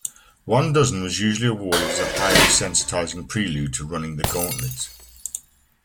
One dozen was usually awarded as a highly sensitizing prelude to running the gauntlet.